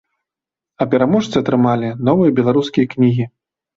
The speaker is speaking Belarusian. А пераможцы атрымалі новыя беларускія кнігі.